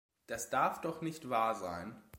Das darf doch nicht wahr sein!